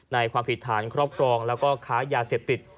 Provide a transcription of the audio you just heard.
ความผิดฐานครอบครองแล้วก็ค้ายาเสพติด